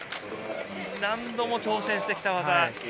何度も挑戦してきた技。